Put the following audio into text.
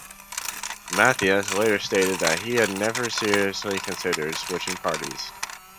Mathias later stated that he had never seriously considered switching parties.